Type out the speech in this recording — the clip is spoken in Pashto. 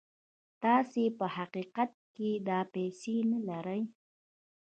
تاسې په حقيقت کې دا پيسې نه لرئ.